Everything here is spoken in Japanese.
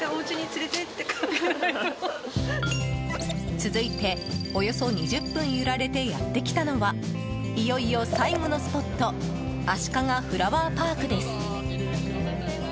続いて、およそ２０分揺られてやって来たのはいよいよ最後のスポットあしかがフラワーパークです。